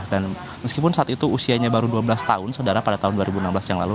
dan meskipun saat itu usianya baru dua belas tahun saudara pada tahun dua ribu enam belas yang lalu